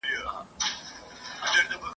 چي په خټه مو اغږلي ناپوهي او جهالت وي ..